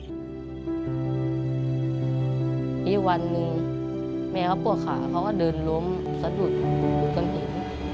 ที่วันนี้แม่เขาปวดขาเขาก็เดินล้มสะดุดอยู่กันอยู่